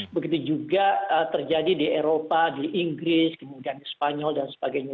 begitu juga terjadi di eropa di inggris kemudian di spanyol dan sebagainya